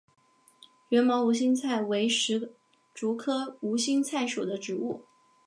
缘毛无心菜为石竹科无心菜属的植物。